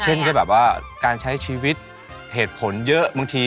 เช่นก็แบบว่าการใช้ชีวิตเหตุผลเยอะบางที